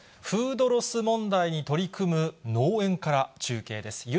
フードロス問題に取り組む農園から中継です。